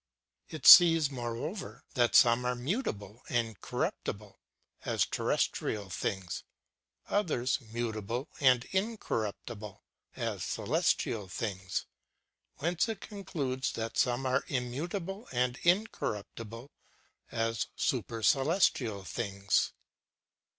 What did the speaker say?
It sees, moreover, that some are mutable and corruptible, as terrestrial things ; others mutable and incor ruptible, as celestial things; whence it concludes that some are immutable and incorruptible, as supercelestial things.